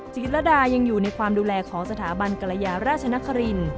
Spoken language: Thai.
จิตรดายังอยู่ในความดูแลของสถาบันกรยาราชนคริน